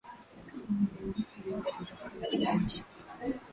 Kuwa na yesu pamoja ni raha tele maishani